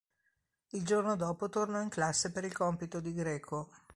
Il giorno dopo tornò in classe per il compito di greco.